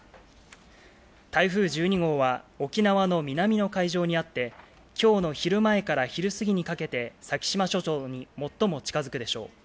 台風１２号は、沖縄の南の海上にあって、きょうの昼前から昼過ぎにかけて、先島諸島に最も近づくでしょう。